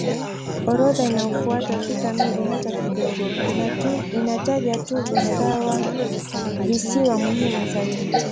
Orodha inayofuata si kamili hata kidogo; inataja tu visiwa muhimu zaidi.